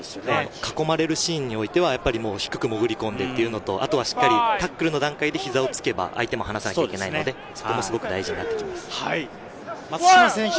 囲まれるシーンにおいては低く潜り込んでというのと、あとはしっかりタックルの段階で膝をつけば相手を離さなきゃいけないので、すごく大事になってきます。